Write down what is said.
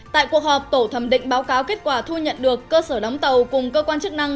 tại cuộc họp tổ thẩm định báo cáo kết quả thu nhận được cơ sở đóng tàu cùng cơ quan chức năng